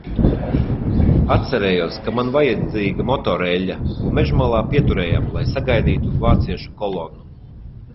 Atcerējos, ka man vaidzīga motoreļļa un mežmalā pieturējām, lai sagaidītu vāciešu kolonnu.